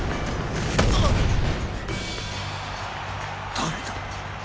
誰だ？